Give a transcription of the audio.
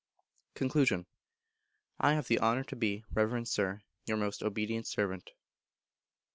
Con. I have the honour to be, Reverend Sir, Your most obedient servant.